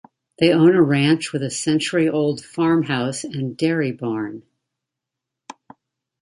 They own a ranch with a century old farm house and dairy barn.